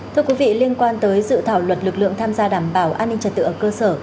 thưa quý vị liên quan tới dự thảo luật lực lượng tham gia đảm bảo an ninh trật tự ở cơ sở